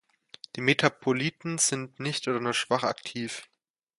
Die Metaboliten sind nicht oder nur schwach aktiv.